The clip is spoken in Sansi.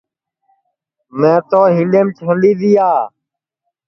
میں تو ہِنڈؔیم چھانڈِی دِؔیا